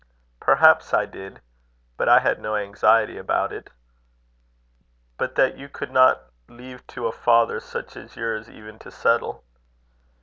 "Perhaps I did. But I had no anxiety about it." "But that you could not leave to a father such as yours even to settle."